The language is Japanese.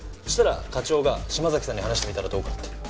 そしたら課長が島崎さんに話してみたらどうかって。